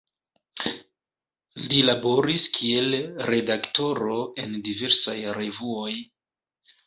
Li laboris kiel redaktoro en diversaj revuoj.